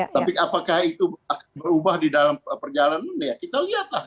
tapi apakah itu berubah di dalam perjalanan kita lihat lah